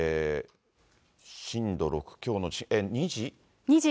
震度６強の、２時？